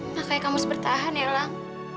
makanya kamu harus bertahan yolang